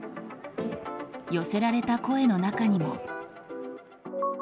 寄せられた声の中にも。